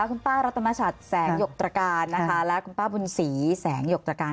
คุณป้ารัตนชัดแสงหยกตรการนะคะและคุณป้าบุญศรีแสงหยกตรการ